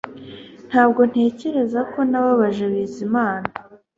Ntabwo ntekereza ko nababaje Bizimana